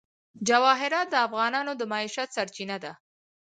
جواهرات د افغانانو د معیشت سرچینه ده.